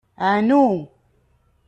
Ɛnu.